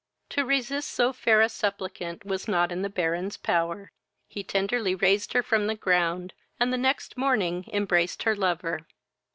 To resist so fair a supplicant was not in the Baron's power. He tenderly raised her from the ground, and the next morning embraced her lover.